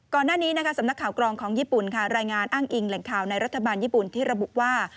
ก่อนหน้านี้นะคะสำนักข่าวกรองของญี่ปุ่นค่ะรายงานอ้างอิงแหล่งข่าวในรัฐบาลญี่ปุ่นที่ระบุว่า